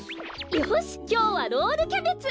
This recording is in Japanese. よしきょうはロールキャベツ！